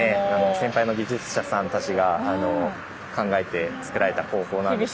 先輩の技術者さんたちが考えて造られた工法なんですけども。